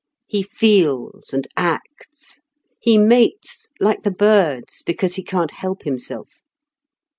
He feels and acts. He mates, like the birds, because he can't help himself.